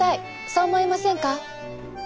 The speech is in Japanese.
そう思いませんか？